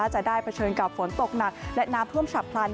จะได้เผชิญกับฝนตกหนักและน้ำท่วมฉับพลัน